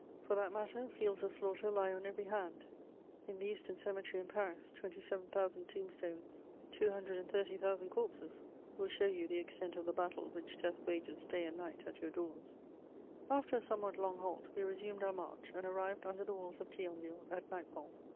For that matter, fields of slaughter lie on every hand: in the Eastern Cemetery in Paris, twenty seven thousand tombstones, two hundred and thirty thousand corpses, will show you the extent of the battle which death wages day and night at your doors. [Sidenote: The assault of Thionville.] After a somewhat long halt, we resumed our march, and arrived under the walls of Thionville at nightfall.